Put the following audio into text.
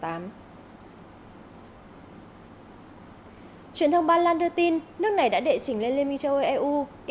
truyền thông ba lan đưa tin nước này đã đệ chỉnh lên liên minh châu âu eu